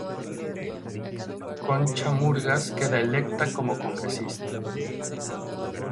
Concha Murgas queda electa como congresista.